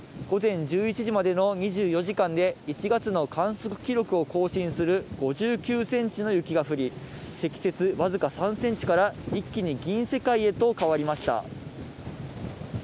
午前１１時までの２４時間で、１月の観測記録を更新する５９センチの雪が降り、積雪僅か３センチから、一気に銀世界へと変わりました。